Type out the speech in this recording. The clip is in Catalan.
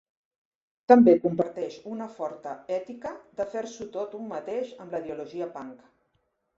També comparteix una forta ètica de fer-s'ho tot un mateix amb la ideologia punk.